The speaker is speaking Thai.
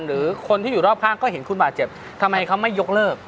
หรือคนที่อยู่รอบข้างก็เห็นคุณบาดเจ็บทำไมเขาไม่ยกเลิก